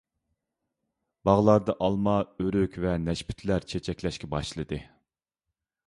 باغلاردا ئالما، ئۆرۈك ۋە نەشپۈتلەر چېچەكلەشكە باشلىدى.